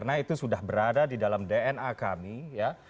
karena itu sudah berada di dalam dna kami ya